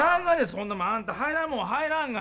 そんなもんあんた入らんもんは入らんが。